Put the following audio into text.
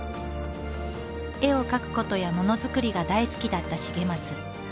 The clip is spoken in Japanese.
絵を描くことやものづくりが大好きだった重松。